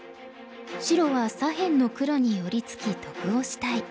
白は左辺の黒に寄り付き得をしたい。